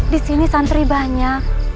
di sini santri banyak